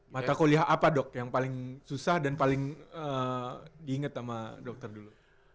mata kuliah apa dok yang paling susah dan paling diinget sama dokter dulu